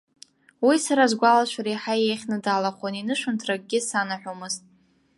Уи сара сгәалашәара еиҳа еиӷьны далахәын, инышәынҭра акгьы санаҳәомызт.